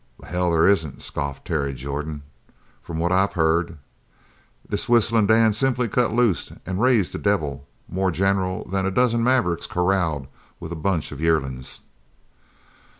"The hell there isn't," scoffed Terry Jordan. "From what I heard, this Whistling Dan simply cut loose and raised the devil more general than a dozen mavericks corralled with a bunch of yearlings."